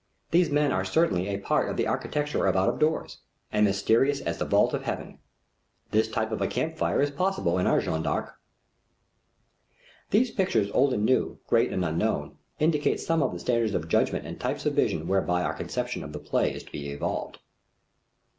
These men are certainly a part of the architecture of out of doors, and mysterious as the vault of Heaven. This type of a camp fire is possible in our Jeanne d'Arc. These pictures, new and old, great and unknown, indicate some of the standards of judgment and types of vision whereby our conception of the play is to be evolved.